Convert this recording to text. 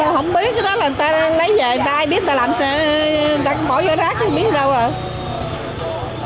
không biết cái đó là người ta lấy về ai biết người ta làm sẽ bỏ vô rác không biết đâu rồi